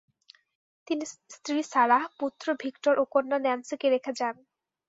তিনি স্ত্রী সারাহ, পুত্র ভিক্টর ও কন্যা ন্যান্সিকে রেখে যান।